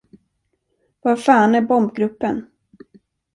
Var fan är bombgruppen?